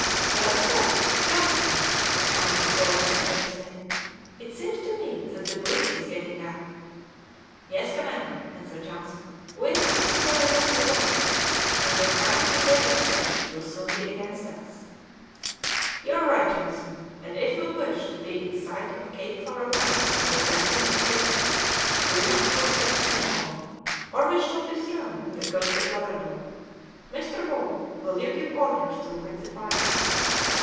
"Just so, Johnson," said Shandon, calling his boatswain. "It seems to me that the breeze is getting up." "Yes, commander," answered Johnson; "we are making very little way, and the currents of Davis's Straits will soon be against us." "You are right, Johnson, and if we wish to be in sight of Cape Farewell on the 20th of April we must put the steam on, or we shall be thrown on the coasts of Labrador. Mr. Wall, will you give orders to light the fires?"